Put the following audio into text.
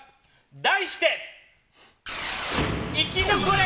題して、生き残れ！